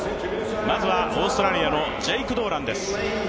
まずはオーストラリアのジェイク・ドーランです。